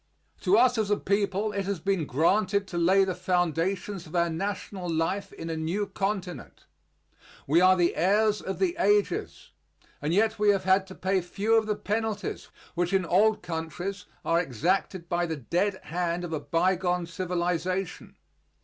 To us as a people it has been granted to lay the foundations of our national life in a new continent. We are the heirs of the ages, and yet we have had to pay few of the penalties which in old countries are exacted by the dead hand of a bygone civilization.